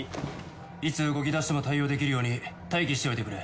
いつ動き出しても対応できるように待機しておいてくれ。